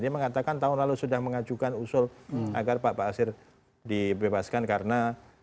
dia mengatakan tahun lalu sudah mengajukan usul agar pak ba'asyir dibebaskan karena satu dua tiga